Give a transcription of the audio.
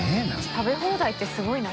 食べ放題ってすごいな。